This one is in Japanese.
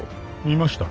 見ました？